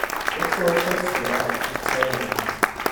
Look for a photograph of Tailwind